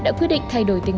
dạ th manhattan